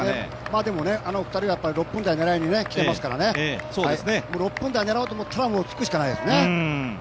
あの２人は６分台狙いに来ていますから、６分台狙おうと思ったら、つくしかないですね。